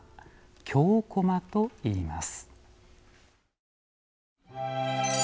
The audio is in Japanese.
「京こま」といいます。